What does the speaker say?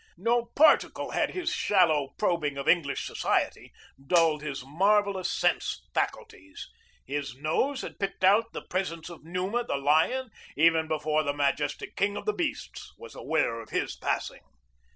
No particle had his shallow probing of English society dulled his marvelous sense faculties. His nose had picked out the presence of Numa, the lion, even before the majestic king of beasts was aware of his passing.